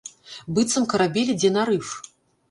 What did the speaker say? Быццам карабель ідзе на рыф.